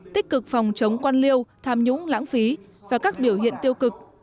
tích cực phòng chống quan liêu tham nhũng lãng phí và các biểu hiện tiêu cực